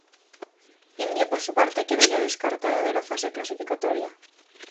India por su parte quedó ya descartada de la fase clasificatoria.